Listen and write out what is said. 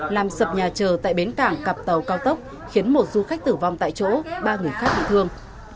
làm sập nhà trờ tại bến cảng cặp tàu cao tốc khiến một du khách tử vong tại chỗ ba người khác bị thương